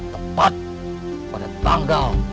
tepat pada tanggal